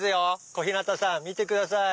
小日向さん見てください。